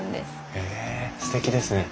へえすてきですね。